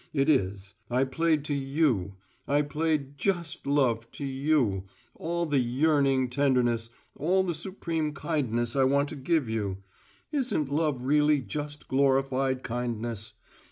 It is. I played to You. I played just love to you all the yearning tenderness all the supreme kindness I want to give you. Isn't love really just glorified kindness?